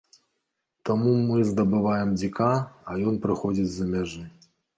Таму мы здабываем дзіка, а ён прыходзіць з-за мяжы.